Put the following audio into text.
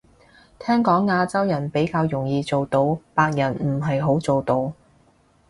聽講亞洲人比較容易做到，白人唔係好做到